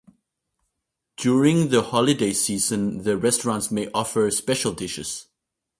During the holiday season, the restaurant may offer special dishes.